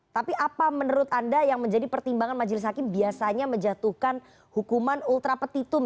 tapi apa menurut anda yang menjadi pertimbangan majelis hakim biasanya menjatuhkan hukuman ultra petitum